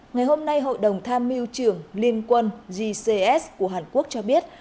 ngày hôm nay hội đồng tham mưu trưởng liên quân gcs của hàn quốc cho biết